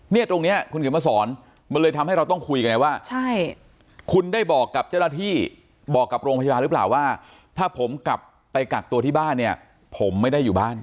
เนี่ยตรงนี้คุณเขียนมาสอนมันเลยทำให้เราต้องคุยกันไงว่าใช่คุณได้บอกกับเจ้าหน้าที่บอกกับโรงพยาบาลหรือเปล่าว่าถ้าผมกลับไปกักตัวที่บ้านเนี่ยผมไม่ได้อยู่บ้าน